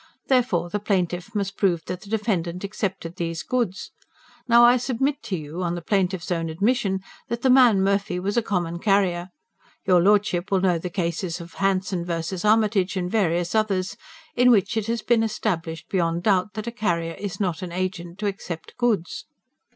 Therefore, the plaintiff must prove that the defendant accepted these goods. Now I submit to you, on the plaintiff's own admission, that the man Murphy was a common carrier. Your Lordship will know the cases of Hanson V. Armitage and various others, in which it has been established beyond doubt that a carrier is not an agent to accept goods."